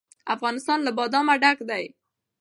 افغانستان له بادام ډک دی.